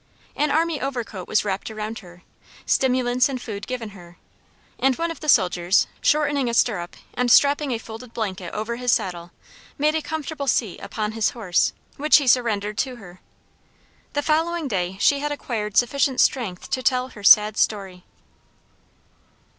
An army overcoat was wrapped around her, stimulants and food given her, and one of the soldiers, shortening a stirrup, and strapping a folded blanket over his saddle, made a comfortable seat upon his horse; which he surrendered to her. The following day she had acquired sufficient strength to tell her sad story.